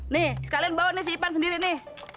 nih sekalian bawa nih si ipan sendiri nih